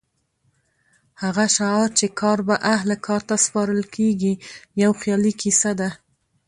هغه شعار چې کار به اهل کار ته سپارل کېږي یو خیالي کیسه ده.